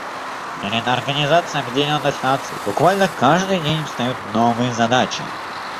Перед Организацией Объединенных Наций буквально каждый день встают новые задачи.